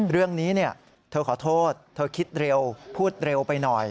เรื่องนี้เธอขอโทษเธอคิดเร็วพูดเร็วไปหน่อย